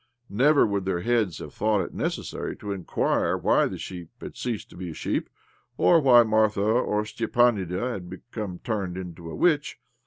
Never would their heads have thought it necessary to inquire why the sheep had ceased to be a sheep, or why Martha or Stepanida had become turned into a witch.